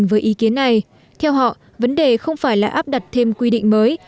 với ý kiến này theo họ vấn đề không phải là áp đặt thêm quy định mới